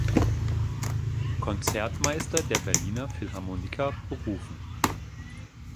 Konzertmeister der Berliner Philharmoniker berufen.